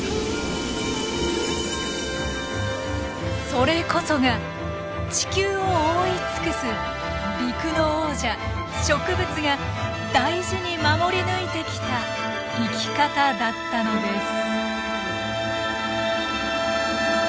それこそが地球を覆い尽くす陸の王者植物が大事に守り抜いてきた生き方だったのです。